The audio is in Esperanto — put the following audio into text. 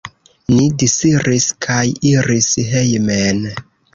Ni disiris kaj iris hejmen.